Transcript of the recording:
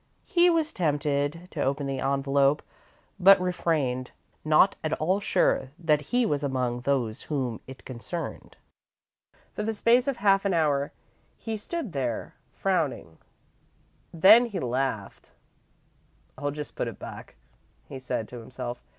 He was tempted to open the envelope, but refrained, not at all sure that he was among those whom it concerned. For the space of half an hour he stood there, frowning, then he laughed. "I'll just put it back," he said to himself.